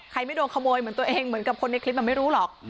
ไม่โดนขโมยเหมือนตัวเองเหมือนกับคนในคลิปมันไม่รู้หรอก